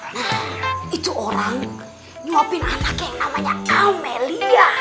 nah itu orang nyuapkan anaknya yang namanya amelia